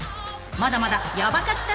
まだまだヤバかった！？